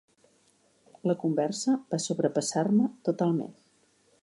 La conversa va sobrepassar-me totalment.